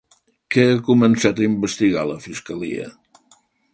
Què ha començat a investigar la fiscalia?